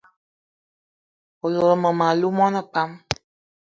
O lot mmem- alou mona pam?